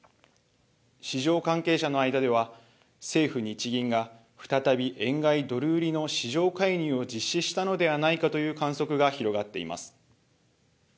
市場関係者の間では政府・日銀が再び円買いドル売りの市場介入を実施したのではないかという観測が広がっています。